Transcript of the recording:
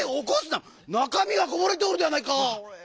なかみがこぼれておるではないか！